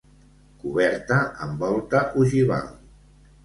Coberta amb volta ogival.